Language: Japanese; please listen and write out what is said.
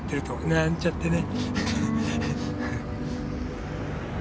なんちゃってね。